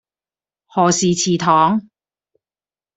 何氏祠堂